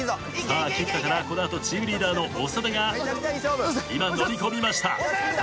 菊田からこの後チームリーダーの長田が今乗り込みました。